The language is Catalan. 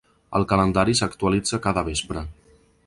El calendari s’actualitza cada vespre.